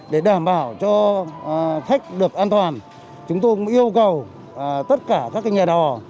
để đảm bảo cho khách được an toàn chúng tôi yêu cầu tất cả các nhà đò